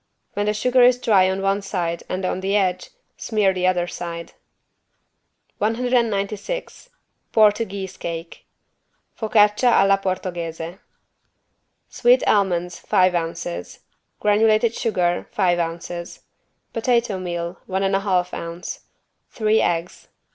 When the sugar is dry on one side and on the edge, smear the other side. 196 PORTUGUESE CAKE (Focaccia alla Portoghese) Sweet almonds, five ounces. Granulated sugar, five ounces. Potato meal, one and a half ounce. Three eggs.